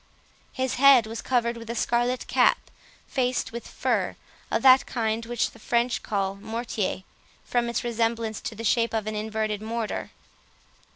His head was covered with a scarlet cap, faced with fur—of that kind which the French call "mortier", from its resemblance to the shape of an inverted mortar.